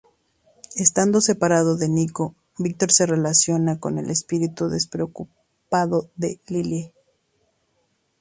Estando separado de Nico, Victor se relaciona con el espíritu despreocupado de Lillie.